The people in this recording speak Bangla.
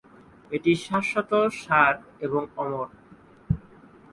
এটি শাশ্বত, সার এবং অমর।